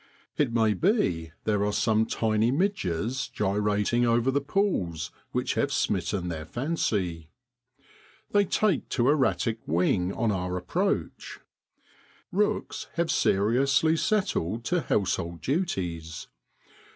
It may be there are some tiny midges gyrating over the pools, which have smitten their fancy. They take to eratic wing on our approach. Rooks have seriously settled to household duties.